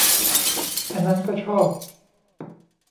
อันนั้นก็ชอบ